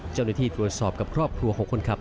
เจ้าหน้าที่ตรวจสอบกับครอบครัวของคนขับ